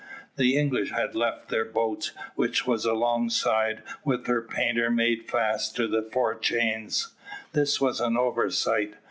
The English had left their boat, which was alongside, with her painter made fast to the fore chains. This was an oversight.